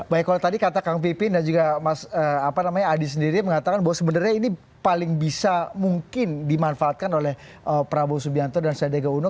baik kalau tadi kata kang pipin dan juga mas adi sendiri mengatakan bahwa sebenarnya ini paling bisa mungkin dimanfaatkan oleh prabowo subianto dan sandiadega uno